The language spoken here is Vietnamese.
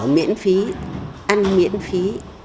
miễn phí ăn miễn phí